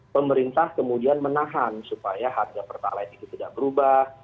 pemerintah kemudian menahan supaya harga perta ala etik itu tidak berubah